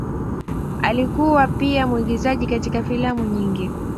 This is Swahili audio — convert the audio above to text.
Alikuwa pia mwigizaji katika filamu nyingi.